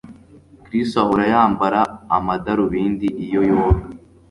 Chris ahora yambara amadarubindi iyo yoga